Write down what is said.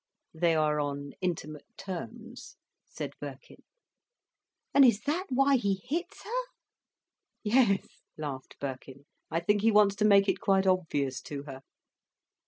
"They are on intimate terms," said Birkin. "And is that why he hits her?" "Yes," laughed Birkin, "I think he wants to make it quite obvious to her."